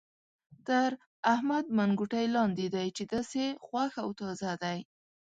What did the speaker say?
تر احمد منګوټی لاندې دی چې داسې خوښ او تازه دی.